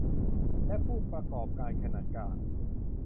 และผู้ประกอบการขนาดกลาง